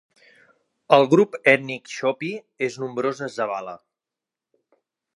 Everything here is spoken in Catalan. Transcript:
El grup ètnic chopi és nombrós a Zavala.